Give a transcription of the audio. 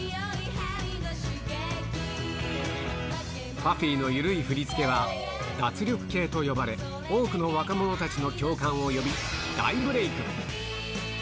パフィーの緩い振付は脱力系と呼ばれ、多くの若者たちの共感を呼び、大ブレイク。